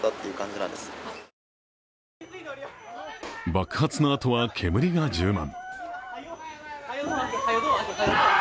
爆発のあとは煙が充満。